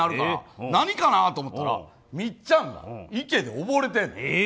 何かなと思ったらみっちゃんが池でおぼれてんねん。